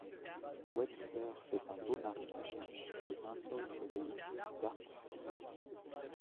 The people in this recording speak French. Webster fait un beau mariage et intègre l’élite d’Hartford.